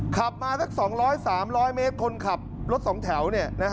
ขับมาสัก๒๐๐๓๐๐เมตรคนขับรถ๒แถว